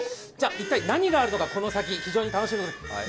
一体何があるのか、この先、非常に楽しみですね